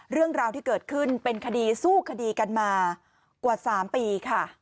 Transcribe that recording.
เรื่องราวที่เกิดขึ้นเป็นคดีสู้คดีกันมากว่า๓ปีค่ะ